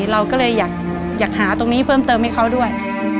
เราก็เลยอยากหาตรงนี้เพิ่มเติมให้เขาด้วย